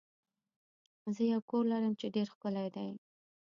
زه یو کور لرم چې ډیر ښکلی دی.